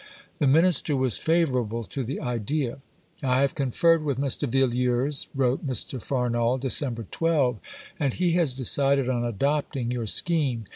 The Minister was favourable to the idea. "I have conferred with Mr. Villiers," wrote Mr. Farnall (Dec. 12), "and he has decided on adopting your scheme.